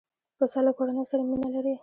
پسه له کورنۍ سره مینه لري.